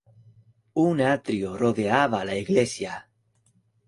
Un atrio rodeaba la iglesia.